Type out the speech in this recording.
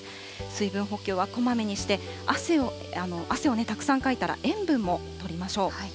水分補給はこまめにして、汗をたくさんかいたら、塩分もとりましょう。